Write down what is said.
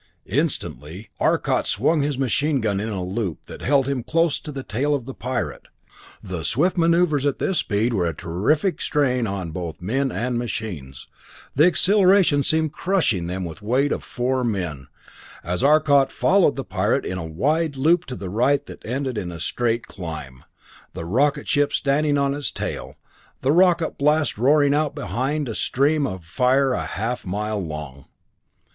Instantly Arcot swung his machine in a loop that held him close to the tail of the pirate. The swift maneuvers at this speed were a terrific strain on both men and machines the acceleration seemed crushing them with the weight of four men, as Arcot followed the pirate in a wide loop to the right that ended in a straight climb, the rocket ship standing on its tail, the rocket blast roaring out behind a stream of fire a half mile long.